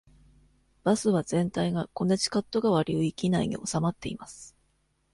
バスは全体がコネチカット川流域内におさまっています。